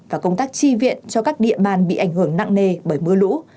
và công tác chi viện cho các địa bàn bị ảnh hưởng nặng nề bởi mưa lũ